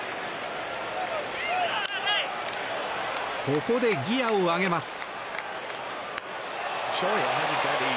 ここでギアを上げます。